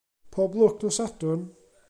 Pob lwc nos Sadwrn.